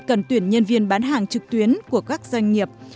cần tuyển nhân viên bán hàng trực tuyến của các doanh nghiệp